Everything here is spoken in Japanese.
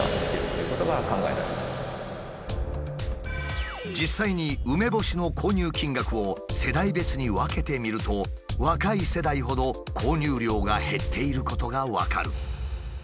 ですので実際に梅干しの購入金額を世代別に分けてみると若い世代ほど購入量が減っていることが分かる。